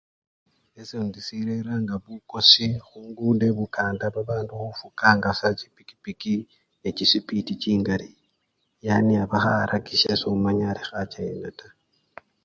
Esindu sireranga bukosi khungudo ebukanda babandu khufukanga sa chipikipiki nechisiipidi chingali yani aba kha-arakisya somanya alikhacha yena taa.